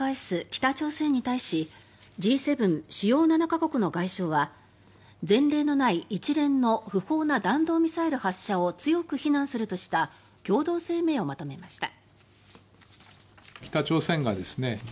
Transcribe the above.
北朝鮮に対しＧ７・主要７か国の外相は前例のない一連の不法な弾道ミサイル発射を強く非難するとした共同声明をまとめました。